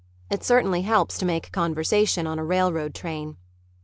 It certainly helps to make conversation on a railroad train.